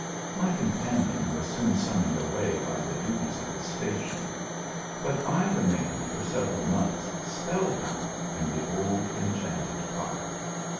My companion was soon sum moned away by the duties of his station, but I re mained for several months spell bound in the old enchanted pile.